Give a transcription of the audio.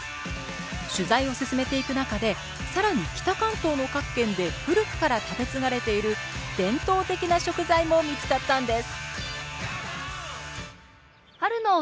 取材を進めていく中で更に北関東の各県で古くから食べ継がれている伝統的な食材も見つかったんです